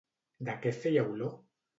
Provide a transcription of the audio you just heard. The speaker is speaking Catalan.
De què feia olor?